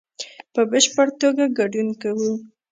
په بشپړ توګه ګډون کوو